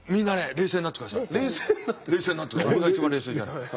冷静になって俺が一番冷静じゃない。